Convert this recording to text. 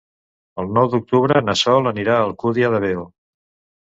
El nou d'octubre na Sol anirà a l'Alcúdia de Veo.